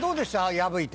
破いて。